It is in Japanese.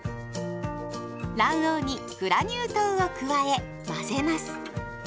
卵黄にグラニュー糖を加え混ぜます。